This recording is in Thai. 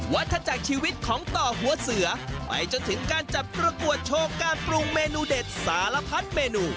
วัฒจักรชีวิตของต่อหัวเสือไปจนถึงการจัดประกวดโชว์การปรุงเมนูเด็ดสารพัดเมนู